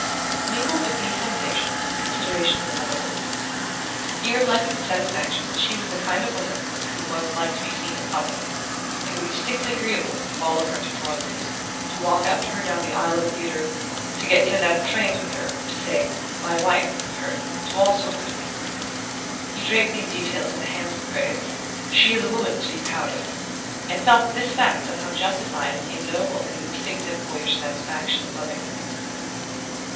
Mingled with these sensations were considerations of another order. He reflected with satisfaction that she was the kind of woman with whom one would like to be seen in public. It would be distinctly agreeable to follow her into drawing rooms, to walk after her down the aisle of a theatre, to get in and out of trains with her, to say "my wife" of her to all sorts of people. He draped these details in the handsome phrase "She's a woman to be proud of", and felt that this fact somehow justified and ennobled his instinctive boyish satisfaction in loving her.